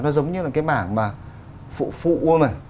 nó giống như là cái mảng mà phụ phụ mà